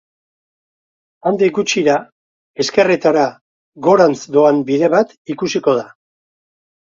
Handik gutxira, ezkerretara, gorantz doan bide bat ikusiko da.